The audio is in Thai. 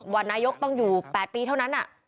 ว่านายกต้องอยู่๘ปีเท่านั้น